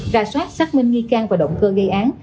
ra soát xác minh nghi can và động cơ gây án